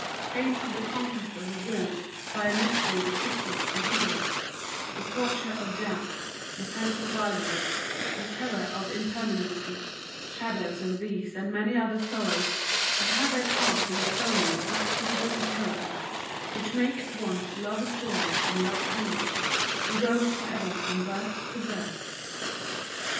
Pain of the conquest of will by a mystery resistless and pitiless, the torture of doubt, the pangs of rivalry, the terror of impermanency, shadows of these and many another sorrow have had their part in the toning of that psychical inheritance which makes at once love's joy and love's anguish, and grows forever from birth to birth.